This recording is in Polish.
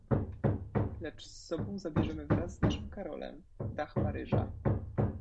"Lecz z sobą zabierzemy wraz z naszym Karolem, dach Paryża."